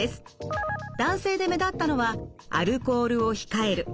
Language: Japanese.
男性で目立ったのはアルコールを控える。